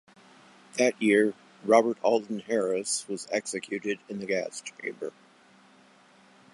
That year, Robert Alton Harris was executed in the gas chamber.